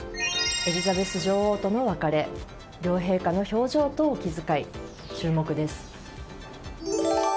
エリザベス女王との別れ両陛下の表情とお気遣い注目です。